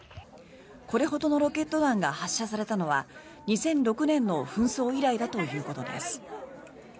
これほどのロケット弾が発射されたのは２００６年の紛争以来だということです。